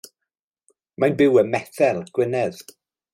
Mae'n byw ym Methel, Gwynedd.